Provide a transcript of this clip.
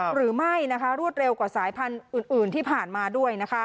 หรือไม่นะคะรวดเร็วกว่าสายพันธุ์อื่นที่ผ่านมาด้วยนะคะ